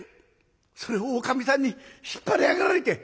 「それをおかみさんに引っ張り上げられて。